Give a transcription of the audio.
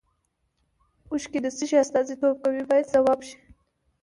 اوښکې د څه شي استازیتوب کوي باید ځواب شي.